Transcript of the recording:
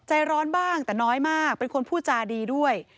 ใจร้อนบ้างแต่น้อยมากเป็นคนพูดจาดีด้วย